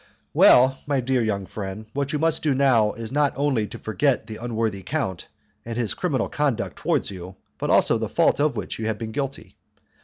"Well, my dear young friend, what you must do now is not only to forget the unworthy count and his criminal conduct towards you, but also the fault of which you have been guilty.